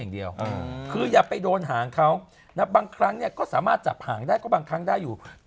ดูความสำเร็จของลูก